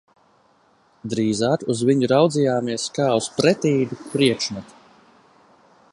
Drīzāk uz viņu raudzījāmies, kā uz pretīgu priekšmetu.